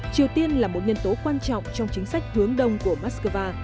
triều tiên là một nhân tố quan trọng trong chính sách hướng đông của moscow